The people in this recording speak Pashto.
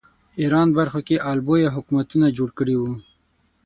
ایران برخو کې آل بویه حکومتونه جوړ کړي وو